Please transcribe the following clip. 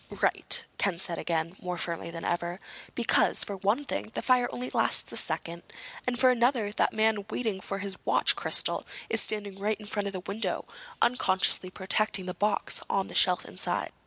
"Right," Ken said again, more firmly than ever. "Because, for one thing, the fire only lasts a second. And, for another, that man waiting for his watch crystal is standing right in front of the window, unconsciously protecting the box on the shelf inside.